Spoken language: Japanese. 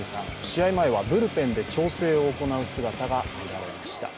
試合前はブルペンで調整を行う姿が見られました。